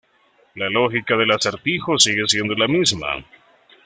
La lógica del acertijo sigue siendo la misma.